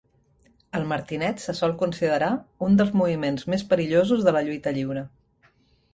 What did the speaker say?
El martinet se sol considerar un dels moviments més perillosos de la lluita lliure.